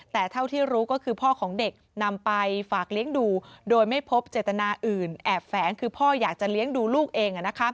แต่เท่าที่รู้ก็คือพ่อของเด็กนำไปฝากเลี้ยงดูโดยไม่พบเจตนาอื่นแอบแฝงคือพ่ออยากจะเลี้ยงดูลูกเอง